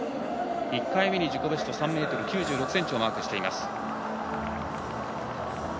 １回目に自己ベスト３ｍ９６ｃｍをマーク。